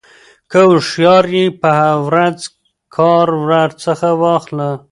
كه هوښيار يې په ورځ كار ورڅخه واخله